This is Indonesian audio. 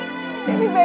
ini baik banget